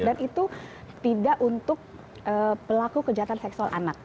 dan itu tidak untuk pelaku kejahatan seksual anak